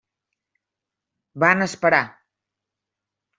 Van esperar.